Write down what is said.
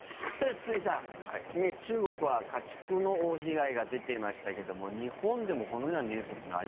堤さん中国は家畜の被害が出ていましたけど日本でもこのようなニュースというのは